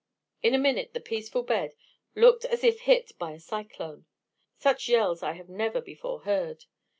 In a minute the peaceful bed looked as if hit by a cyclone. Such yells, I had never before heard.